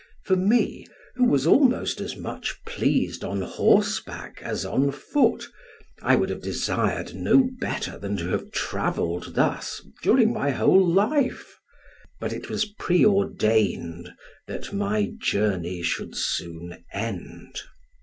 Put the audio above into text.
For me, who was almost as much pleased on horseback as on foot, I would have desired no better than to have travelled thus during my whole life; but it was pre ordained that my journey should soon end.